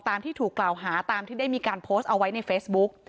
ที่ถูกกล่าวหาตามที่ได้มีการโพสต์เอาไว้ในเฟซบุ๊ก